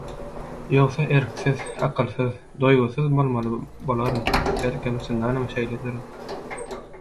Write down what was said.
Ýogsa erksiz, akylsyz, duýgusyz bolmaly bolaryn, belkem çyndanam şeýledirin.